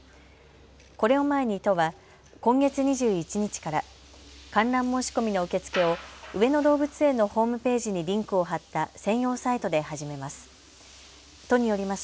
これを前に都は今月２１日から観覧申し込みの受け付けを上野動物園のホームページにリンクをはった専用サイトで始めます。